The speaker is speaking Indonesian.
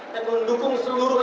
dan mendukung seluruh